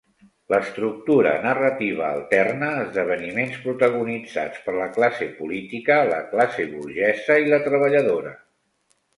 L'estructura narrativa alterna esdeveniments protagonitzats per la classe política, la classe burgesa i la treballadora.